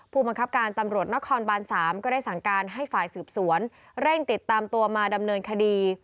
ผู้บังคับการตำรวจนครบาน๓ก็ได้สั่งการให้ฝ่ายสืบสวนเร่งติดตามตัวมาดำเนินคดี